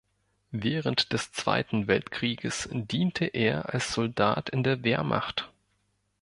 Während des Zweiten Weltkrieges diente er als Soldat in der Wehrmacht.